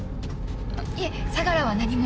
いえ相良は何も。